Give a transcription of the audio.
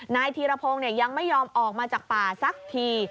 นายธีรพงศ์ยังไม่ยอมออกมาจากป่าสักที